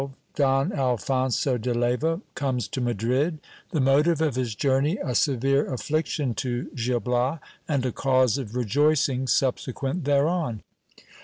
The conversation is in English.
— Doh Alphonso de Leyva comes to Madrid; the motive oj his journey a severe affliction to Gil Bias, and a cause of rejoicing subsequent thereon.